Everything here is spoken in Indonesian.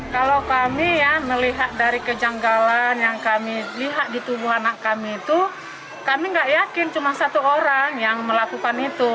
kalau kami ya melihat dari kejanggalan yang kami lihat di tubuh anak kami itu kami nggak yakin cuma satu orang yang melakukan itu